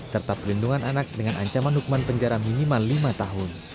serta pelindungan anak dengan ancaman hukuman penjara minimal lima tahun